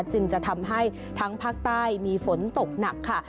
จึงจะทำให้ทั้งภาคใต้มีฝนตกหนักค่ะ